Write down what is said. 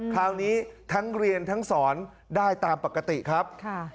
ทั้งเรียนทั้งสอนได้ตามปกติครับ